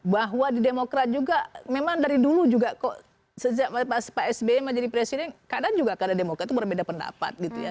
bahwa di demokrat juga memang dari dulu juga kok sejak pak sby menjadi presiden kadang juga karena demokrat itu berbeda pendapat gitu ya